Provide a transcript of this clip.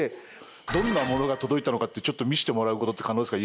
どんなものが届いたのかってちょっと見せてもらうことって可能ですか？